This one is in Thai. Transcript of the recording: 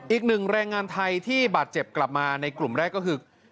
อีกหนึ่งแรงงานไทยที่บาดเจ็บกลับมาในกลุ่มแรกก็คือ